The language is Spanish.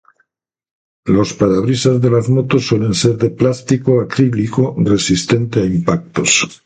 Los parabrisas de las motos suelen ser de plástico acrílico resistente a impactos.